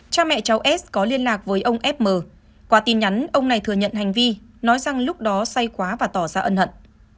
cha mẹ cháu s có liên lạc với ông fm qua tin nhắn ông này thừa nhận hành vi nói rằng lúc đó say quá và tỏ ra ân hận